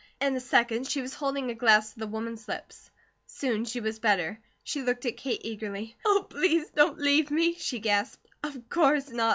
In a second, she was holding a glass to the woman's lips; soon she was better. She looked at Kate eagerly. "Oh, please don't leave me," she gasped. "Of course not!"